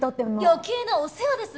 余計なお世話です。